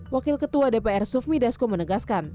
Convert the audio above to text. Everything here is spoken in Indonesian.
wakil ketua dpr sufmi dasko menegaskan